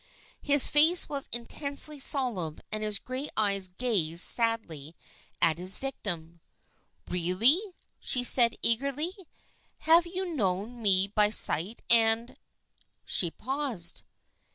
His face was intensely solemn and his gray eyes gazed sadly at his victim. " Really !" she said eagerly. " Have you known me by sight and " She paused.